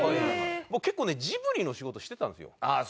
僕結構ねジブリの仕事してたんですよ。